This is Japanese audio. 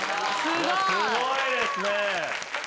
すごいですね。